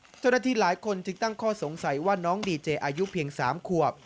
เจ้าหน้าที่หลายคนจึงตั้งข้อสงสัยว่าน้องดีเจอายุเพียง๓ขวบ